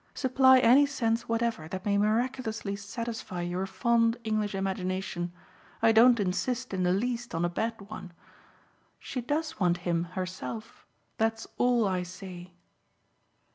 Supply any sense whatever that may miraculously satisfy your fond English imagination: I don't insist in the least on a bad one. She does want him herself that's all I say.